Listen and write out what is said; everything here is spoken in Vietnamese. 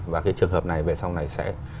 và cái trường hợp này về sau này sẽ